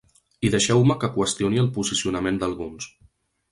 I deixeu-me que qüestioni el posicionament d’alguns.